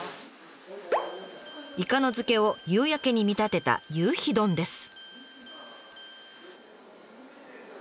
イカの漬けを夕焼けに見立てた夕陽丼です。